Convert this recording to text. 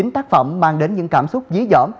chín mươi chín tác phẩm mang đến những cảm xúc dí dõm